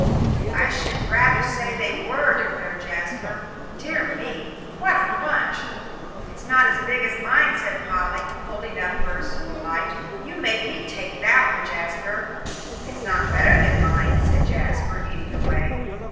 "I should rather say they were," declared Jasper; "dear me, what a bunch!" "It's not as big as mine," said Polly, holding up hers to the light. "You made me take that one, Jasper." "It's no better than mine," said Jasper, eating away.